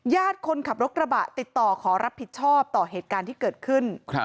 คนขับรถกระบะติดต่อขอรับผิดชอบต่อเหตุการณ์ที่เกิดขึ้น